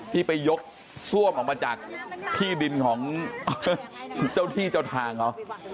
ที่ไปยกซ่วมออกมาจากที่ดินของเจ้าที่เจ้าทางเขา